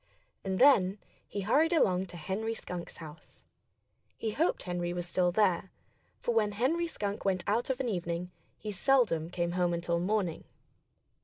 And then he hurried along to Henry Skunk's house. He hoped Henry was still there; for when Henry Skunk went out of an evening he seldom came home until morning.